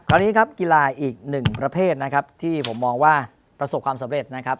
ตอนนี้ครับกีฬาอีกหนึ่งประเภทนะครับที่ผมมองว่าประสบความสำเร็จนะครับ